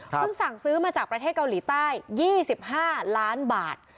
สั่งซื้อมาจากประเทศเกาหลีใต้๒๕ล้านบาท